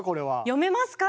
読めますか？